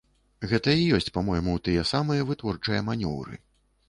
Гэта і ёсць, па-мойму, тыя самыя вытворчыя манеўры.